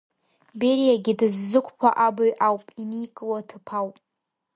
Бериагьы дыззықәԥо абаҩ ауп, иникыло аҭыԥ ауп.